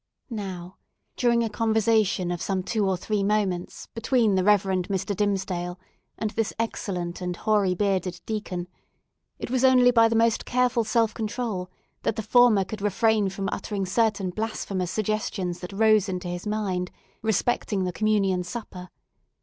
Now, during a conversation of some two or three moments between the Reverend Mr. Dimmesdale and this excellent and hoary bearded deacon, it was only by the most careful self control that the former could refrain from uttering certain blasphemous suggestions that rose into his mind, respecting the communion supper.